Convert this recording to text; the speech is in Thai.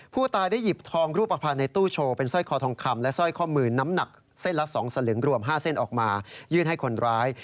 ผู้ตายได้หยิบทองรูปภัณฑ์ในตู้โชว์เป็นสร้อยคอทองคำและสร้อยข้อมือน้ำหนักเส้นละ๒สลึงรวม๕เส้นออกมายื่นให้คนร้าย